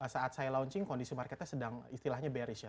saat saya launching kondisi marketnya sedang beres ya